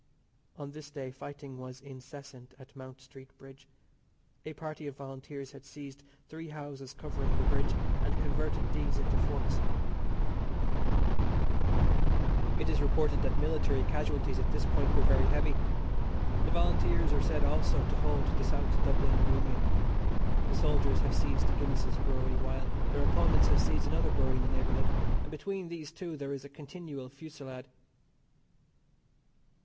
On this day fighting was incessant at Mount Street Bridge. A party of Volunteers had seized three houses covering the bridge and converted these into forts. It is reported that military casualties at this point were very heavy. The Volunteers are said also to hold the South Dublin Union. The soldiers have seized Guinness's Brewery, while their opponents have seized another brewery in the neighbourhood, and between these two there is a continual fusilade.